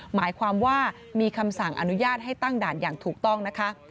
หมายความว่ามีคำสั่งอนุญาตให้ตั้งด่านอย่างถูกต้องนะคะ